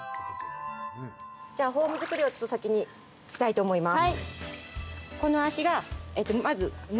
じゃあ、フォーム作りをちょっと先にしたいと思います。